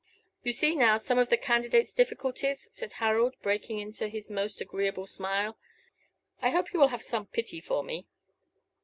You see now some of the candidate's difficulties?" said Harold, breaking into his most agreeable smile. "I hope you will have some pity for me."